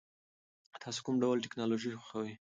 تاسو کوم ډول ټیکنالوژي خوښوئ؟